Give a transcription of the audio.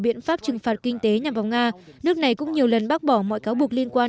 biện pháp trừng phạt kinh tế nhằm vào nga nước này cũng nhiều lần bác bỏ mọi cáo buộc liên quan